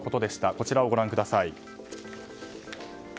こちらをご覧ください。